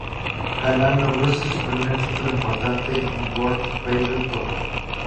Galán logró así su primer título importante en World Padel Tour.